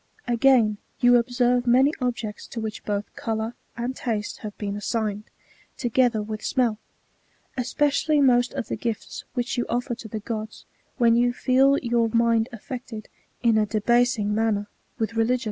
Again, you observe many objects to which both colour and taste have been assigned, together with smell ; especially most of the gifts which you offer to the gods, when you feel your mind affected, in a debasing manner,^ with religion.